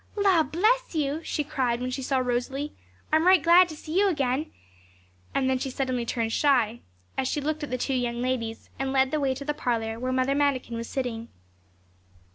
'La, bless you!' she cried when she saw Rosalie; 'I'm right glad to see you again.' And then she suddenly turned shy, as she looked at the two young ladies, and led the way to the parlour, where Mother Manikin was sitting.